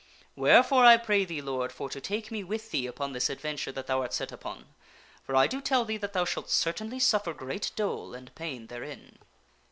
Wherefore, I pray thee, Lord, for to take me with thee upon this advent ure that thou art set upon, for I do tell thee that thou shalt certainly suf fer great dole and pain therein."